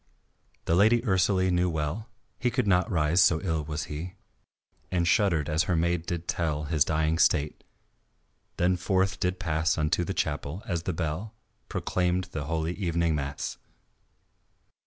The Lady Ursalie knew well He could not rise, so ill he was, And shuddered as her maid did tell His dying state, then forth did pass Unto the chapel, as the bell Proclaimed the holy evening mass.